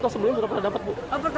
atau sebelumnya sudah pernah dapat bu